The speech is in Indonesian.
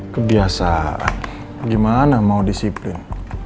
kebiasaan gimana mau disiplin